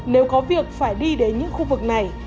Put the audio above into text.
nếu có việc phải đi đến những khu vực này